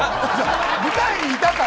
舞台にいたから。